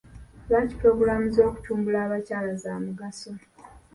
Lwaki puloogulaamu z'okutumbula abakyala za mugaso?